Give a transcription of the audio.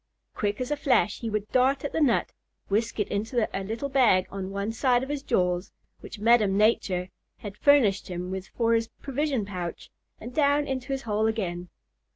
Quick as a flash he would dart at the nut, whisk it into a little bag on one side of his jaws, which Madam Nature has furnished him with for his provision pouch, and down into his hole again.